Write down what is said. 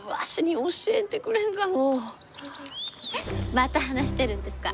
また話してるんですか？